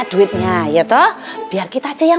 kita gantian saja ya